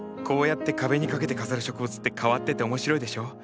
こうやって壁に掛けて飾る植物って変わってて面白いでしょ？